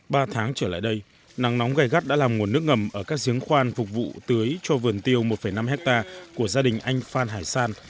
ba tháng trở lại đây nắng nóng gai gắt đã làm nguồn nước ngầm ở các giếng khoan phục vụ tưới cho vườn tiêu một năm hectare của gia đình anh phan hải san